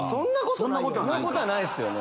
そんなことはないですよね。